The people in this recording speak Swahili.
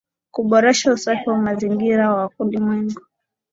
Kuboresha usafi wa mazingira wa ulimwengu